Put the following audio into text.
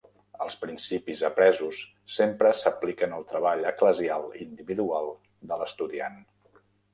Els principis apresos sempre s'apliquen al treball eclesial individual de l'estudiant.